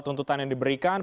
tuntutan yang diberikan